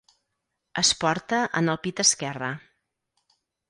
Es porta en el pit esquerre.